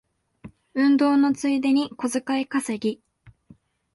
運動のついでに小遣い稼ぎ